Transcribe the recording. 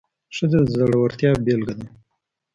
ښځه د زړورتیا بیلګه ده.